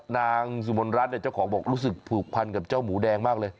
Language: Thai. นางสุมนรัฐเจ้าของบอกรู้สึกผูกพันกับเจ้าหมูแดงมากเลย